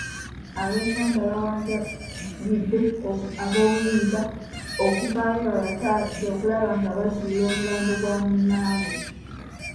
Ab'enganda bawanjagidde ab'obuyinza okuvaayo babataase okulaba nga bazuula omulambo gwa munnaabwe.